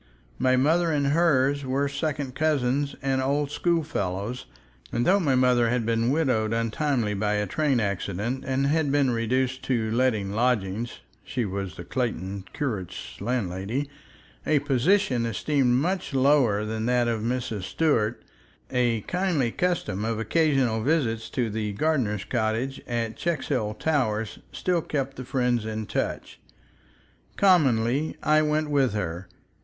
My mother and hers were second cousins and old schoolfellows, and though my mother had been widowed untimely by a train accident, and had been reduced to letting lodgings (she was the Clayton curate's landlady), a position esteemed much lower than that of Mrs. Stuart, a kindly custom of occasional visits to the gardener's cottage at Checkshill Towers still kept the friends in touch. Commonly I went with her.